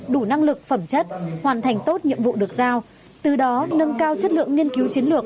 đủ năng lực phẩm chất hoàn thành tốt nhiệm vụ được giao từ đó nâng cao chất lượng nghiên cứu chiến lược